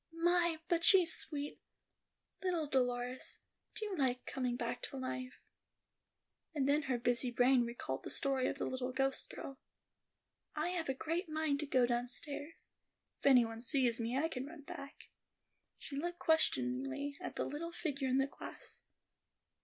"My, but she's sweet; Little Dolores, do you like coming back to life?" And then her busy brain recalled the story of the little ghost girl. "I have a great mind to go downstairs. If any one sees me, I can run back." She looked questioningly at the little figure in the glass.